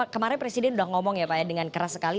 kemarin presiden sudah ngomong ya pak ya dengan keras sekali